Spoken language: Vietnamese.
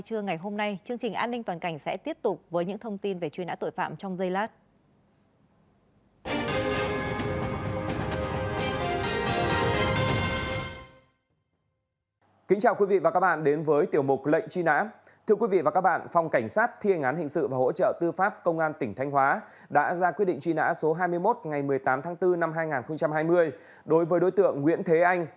công an tỉnh thanh hóa đã ra quyết định truy nã số hai mươi một ngày một mươi tám tháng bốn năm hai nghìn hai mươi đối với đối tượng nguyễn thế anh